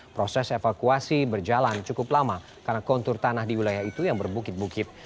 proses evakuasi berjalan cukup lama karena kontur tanah di wilayah itu yang berbukit bukit